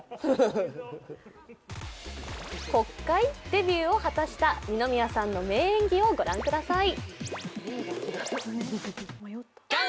デビューを果たした二宮さんの迷演技をご覧ください。